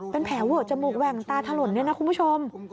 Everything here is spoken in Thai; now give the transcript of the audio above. เป็นแผลเวอะจมูกแหว่งตาถล่นเนี่ยนะคุณผู้ชม